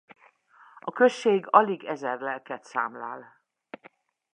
A község alig ezer lelket számlál.